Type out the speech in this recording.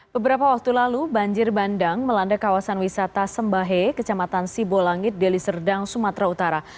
beberapa waktu lalu banjir bandang melanda kawasan wisata sembahe kecamatan sibolangit deliserdang sumatera utara